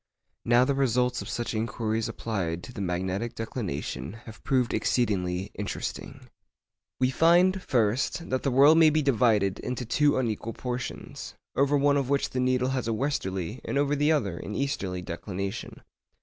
Now the results of such inquiries applied to the magnetic declination have proved exceedingly interesting. We find, first, that the world may be divided into two unequal portions, over one of which the needle has a westerly, and over the other an easterly, declination.